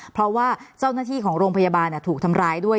เพราะว่าเจ้าหน้าที่ของโรงพยาบาลถูกทำร้ายด้วย